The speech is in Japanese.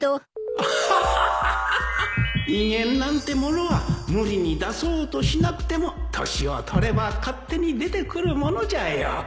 アハハハ威厳なんてものは無理に出そうとしなくても年を取れば勝手に出てくるものじゃよ